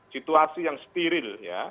situasi yang steril